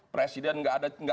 presiden nggak ada diskriminasi